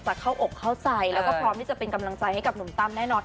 เข้าอกเข้าใจแล้วก็พร้อมที่จะเป็นกำลังใจให้กับหนุ่มตั้มแน่นอน